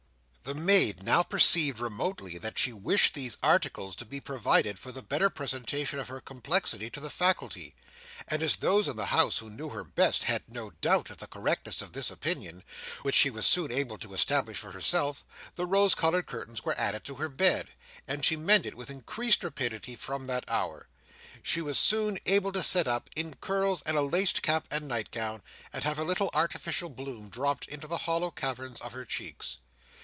The maid now perceived remotely that she wished these articles to be provided for the better presentation of her complexion to the faculty; and as those in the house who knew her best, had no doubt of the correctness of this opinion, which she was soon able to establish for herself, the rose coloured curtains were added to her bed, and she mended with increased rapidity from that hour. She was soon able to sit up, in curls and a laced cap and nightgown, and to have a little artificial bloom dropped into the hollow caverns of her cheeks.